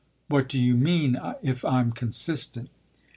"What do you mean, if I'm consistent?"